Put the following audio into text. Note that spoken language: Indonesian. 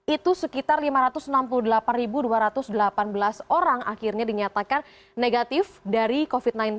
itu sekitar lima ratus enam puluh delapan dua ratus delapan belas orang akhirnya dinyatakan negatif dari covid sembilan belas